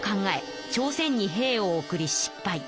朝鮮に兵を送り失敗。